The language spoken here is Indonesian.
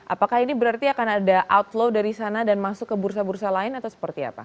apakah ini berarti akan ada outlow dari sana dan masuk ke bursa bursa lain atau seperti apa